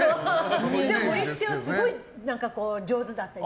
盛り付けはすごい上手だったり。